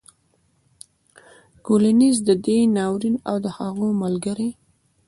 کولینز د دې ناورین او د هغو ملګرو